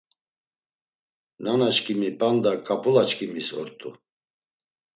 Nanaçkimi p̌anda ǩap̌ulaçkimis ort̆u.